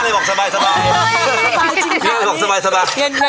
ทุกคนก็เลยบอกสบาย